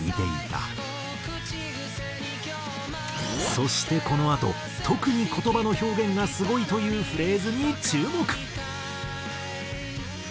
そしてこのあと特に言葉の表現がすごいというフレーズに注目。